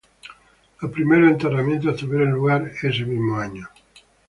Los primeros enterramientos tuvieron lugar ese mismo año.